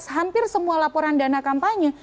hampir semua laporan dana kampanye